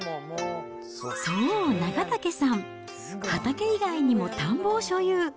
そう、長竹さん、畑以外にも田んぼを所有。